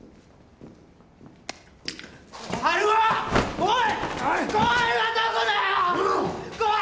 おい！